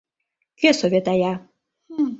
Кӧ советая?